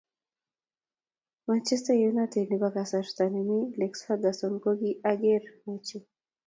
Manchester united ne bo kasarta ne kimii Lex Furguson ko ki ang'er ochei